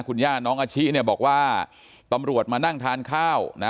คุณย่าน้องอาชิเนี่ยบอกว่าตำรวจมานั่งทานข้าวนะ